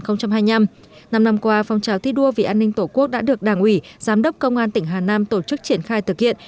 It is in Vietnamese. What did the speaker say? năm năm qua phong trào thi đua vì an ninh tổ quốc đã được đảng ủy giám đốc công an tỉnh hà nam tổ chức triển khai thực hiện